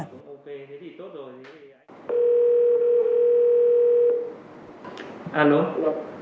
chị đang ở đâu ạ